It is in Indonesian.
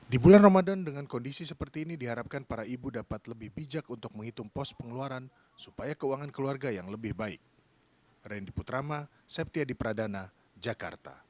di bulan ramadan dengan kondisi seperti ini diharapkan para ibu dapat lebih bijak untuk menghitung pos pengeluaran supaya keuangan keluarga yang lebih baik